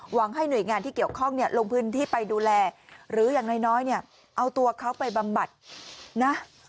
ให้หน่วยงานที่เกี่ยวข้องเนี่ยลงพื้นที่ไปดูแลหรืออย่างน้อยเนี่ยเอาตัวเขาไปบำบัดนะ